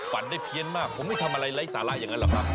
ฝันได้เพี้ยนมากผมไม่ทำอะไรไร้สาระอย่างนั้นหรอกครับ